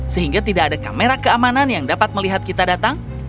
sehingga tidak ada kamera keamanan yang dapat melihat kita datang